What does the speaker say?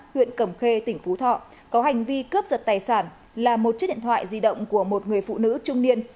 huyện cẩm khê tỉnh phú thọ có hành vi cướp giật tài sản là một chiếc điện thoại di động của một người phụ nữ trung niên